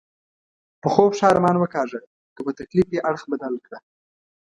په خوب ښه ارمان وکاږه، که په تکلیف یې اړخ بدل کړه.